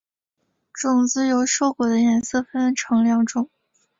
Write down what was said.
种子由瘦果的颜色分成两种。